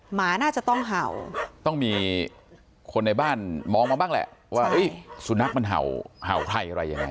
หมาน่าจะต้องเห่าต้องมีคนในบ้านมองมาบ้างแหละว่าสุนัขมันเห่าเห่าใครอะไรยังไง